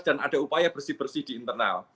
dan ada upaya bersih bersih di internal